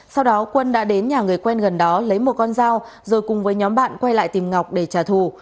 sau đó quân đã đến nhà người quen gần đó lấy một con dao rồi cùng với nhóm bạn quay lại tìm ngọc để trả thù